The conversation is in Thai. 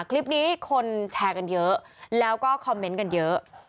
คลิปนี้คนแชร์กันเยอะแล้วก็คอมเมนต์กันเยอะ